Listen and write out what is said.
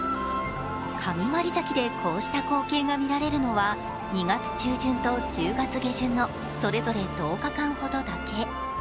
神割崎でこうした光景が見られるのは２月中旬と１０月下旬のそれぞれ１０日間ほどだけ。